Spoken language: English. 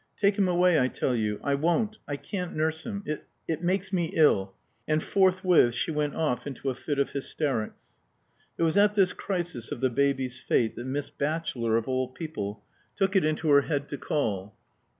"Take him away, I tell you. I won't I can't nurse him. It it makes me ill." And forthwith she went off into a fit of hysterics. It was at this crisis of the baby's fate that Miss Batchelor, of all people, took it into her head to call.